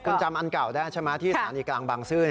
คุณจำอันเก่าได้ใช่ไหมที่สถานีกลางบางซื่อ